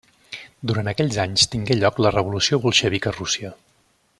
Durant aquells anys tingué lloc la revolució bolxevic a Rússia.